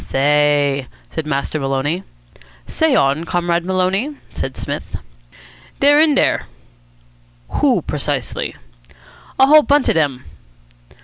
"Say!" said Master Maloney. "Say on, Comrade Maloney," said Psmith. "Dey're in dere." "Who, precisely?" "A whole bunch of dem."